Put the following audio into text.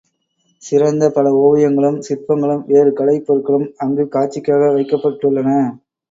சிறந்த பல ஒவியங்களும் சிற்பங்களும், வேறு கலைப் பொருள்களும் அங்குக் காட்சிக்காக வைக்கப்பட் டுள்ளன.